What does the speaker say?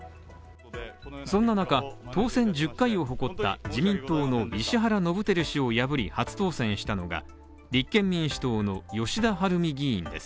そんな中、当選１０回を誇った自民党の石原伸晃氏を破り初当選したのが、立憲民主党の吉田晴美議員です。